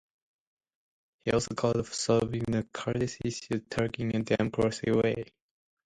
He also called for solving the Kurdish issue in Turkey in a democratic way.